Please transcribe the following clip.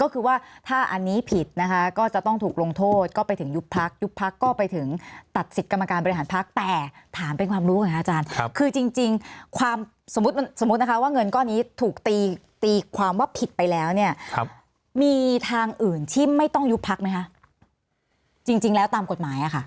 ก็คือว่าถ้าอันนี้ผิดนะคะก็จะต้องถูกลงโทษก็ไปถึงยุบพักยุบพักก็ไปถึงตัดสิทธิ์กรรมการบริหารพักแต่ถามเป็นความรู้ค่ะอาจารย์คือจริงจริงความสมมุติมันสมมุตินะคะว่าเงินก้อนนี้ถูกตีตีความว่าผิดไปแล้วเนี้ยครับมีทางอื่นที่ไม่ต้องยุบพักไหมค่ะจริงจริงแล้วตามกฎหมายอ่ะค่ะ